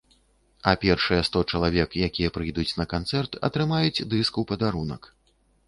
А першыя сто чалавек, якія прыйдуць на канцэрт, атрымаюць дыск у падарунак.